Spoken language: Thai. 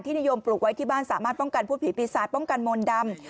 นิยมปลูกไว้ที่บ้านสามารถป้องกันพูดผีปีศาจป้องกันมนต์ดำ